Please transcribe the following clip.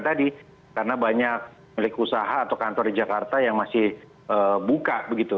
tadi karena banyak milik usaha atau kantor di jakarta yang masih buka begitu